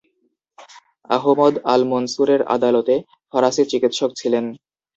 আহমদ আল-মনসুরের আদালতে ফরাসি চিকিৎসক ছিলেন।